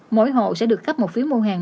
mỗi hộ sẽ được khắp một phiếu mua hàng